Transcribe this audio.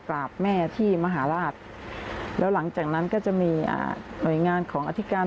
กราบแม่ที่มหาราชแล้วหลังจากนั้นก็จะมีหน่วยงานของอธิการ